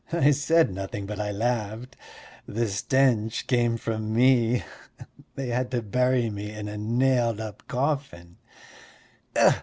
I said nothing, but I laughed. The stench came from me: they had to bury me in a nailed up coffin."